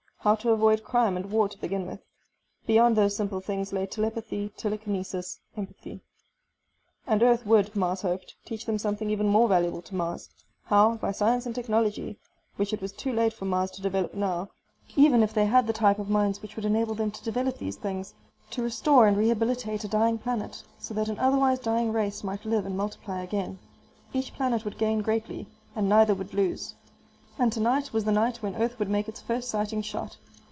How to avoid crime and war to begin with. Beyond those simple things lay telepathy, telekinesis, empathy.... And Earth would, Mars hoped, teach them something even more valuable to Mars: how, by science and technology which it was too late for Mars to develop now, even if they had the type of minds which would enable them to develop these things to restore and rehabilitate a dying planet, so that an otherwise dying race might live and multiply again. Each planet would gain greatly, and neither would lose. And tonight was the night when Earth would make its first sighting shot.